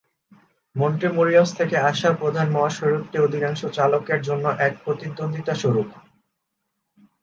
মন্টেমোরিয়ালস থেকে আসা প্রধান মহাসড়কটি অধিকাংশ চালকের জন্য এক প্রতিদ্বন্দ্বিতাস্বরূপ।